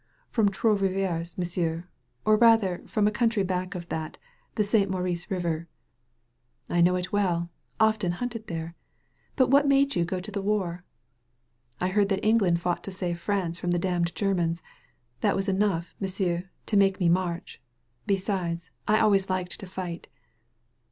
'* "From Trots RivHres^ M'sieu', or rather from a country back of that, the Saint Maurice River.'' "I know it well — often hunted there. But what made you go to the war?" "I heard that England fought to save France from the damned Germans. That was enough, M'sieu', to make me march. Besides, I always liked to fight."